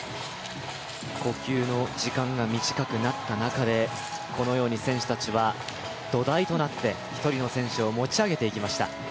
呼吸の時間が短くなった中でこのように選手たちは土台となって１人の選手を持ち上げていきました。